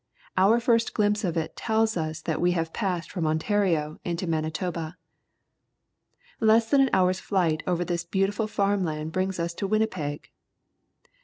Our first glimpse of it tells us that we have passed from Ontario into Manitoba. Less than an hour's flight over this beauti ful farm land brings us to Winnipeg.